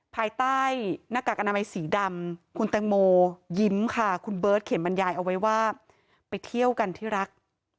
ภายใต้หน้ากากอนามัยสีดำคุณแตงโมยิ้มค่ะคุณเบิร์ตเขียนบรรยายเอาไว้ว่าไปเที่ยวกันที่รัก